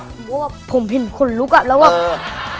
ผมว่าผมเห็นขนลุกอ่ะแล้วแบบ